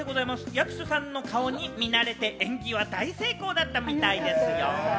役所さんの顔に見慣れて演技は大成功だったみたいですよ。